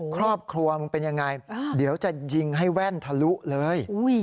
ครอบครัวมึงเป็นยังไงเดี๋ยวจะยิงให้แว่นทะลุเลย